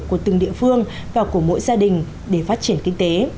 của từng địa phương và của mỗi gia đình để phát triển kinh tế